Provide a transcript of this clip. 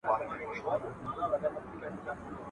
سپيني غوښي يې خوړلي تر سږمو وې !.